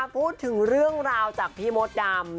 พูดถึงเรื่องราวจากพี่มดดำ